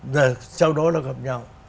rồi sau đó là gặp nhau